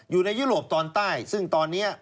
ยุโรปตอนใต้ซึ่งตอนนี้